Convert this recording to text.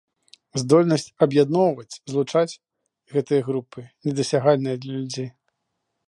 Здольнасць аб'ядноўваць, злучаць гэтыя групы недасягальная для людзей.